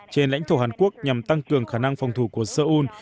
trên lãnh thổ hàn quốc nhằm tăng cường khả năng phòng thủ của seoul